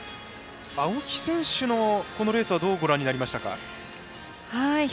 青木選手のレースどうご覧になりましたか？